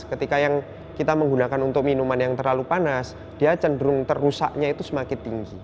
ketika yang kita menggunakan untuk minuman yang terlalu panas dia cenderung terrusaknya itu semakin tinggi